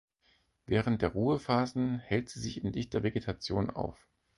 Während der Ruhephasen hält sie sich in dichter Vegetation auf.